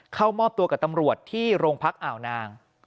เข้ามอบตัวกับตำรวจที่โรงพักอ่าวนาง